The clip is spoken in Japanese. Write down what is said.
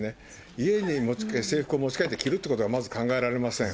家に制服を持ち帰って着るということはまず考えられません。